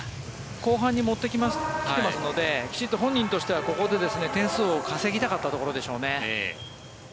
後半に持ってきていますのできちっと本人としてはここで点数を稼ぎたかったでしょうね。